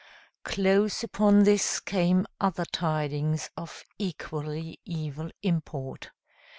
Close upon this came other tidings of equally evil import.